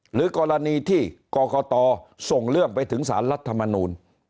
หรือกรณีที่กรกตส่งเรื่องไปถึงสารรัฐมนูล